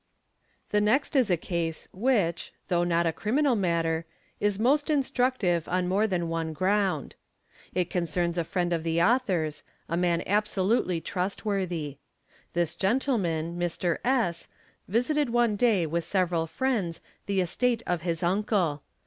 The next is a case which, though not a criminal matter, is most instruc _ tive on more than one ground. It concerns a friend of the author's, a tnan absolutely trustworthy. This gentleman, Mr. §., visited one day with several friends the estate of his uncle.